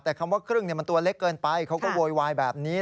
แต่คำว่าครึ่งมันตัวเล็กเกินไปเขาก็โวยวายแบบนี้